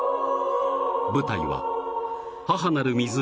舞台は母なる湖